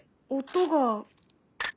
音が。